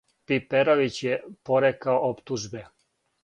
Пиперовић је порекао оптужбе.